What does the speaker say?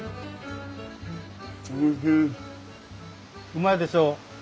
うまいでしょ？